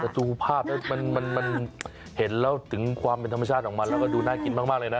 แต่ดูภาพแล้วมันเห็นแล้วถึงความเป็นธรรมชาติของมันแล้วก็ดูน่ากินมากเลยนะ